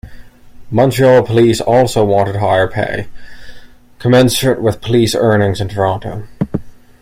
Montreal police also wanted higher pay, commensurate with police earnings in Toronto.